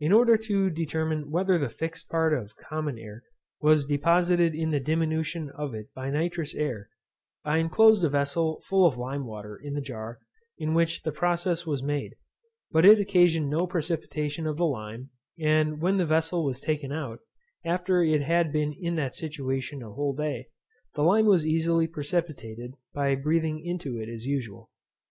In order to determine whether the fixed part of common air was deposited in the diminution of it by nitrous air, I inclosed a vessel full of lime water in the jar in which the process was made, but it occasioned no precipitation of the lime; and when the vessel was taken out, after it had been in that situation a whole day, the lime was easily precipitated by breathing into it as usual.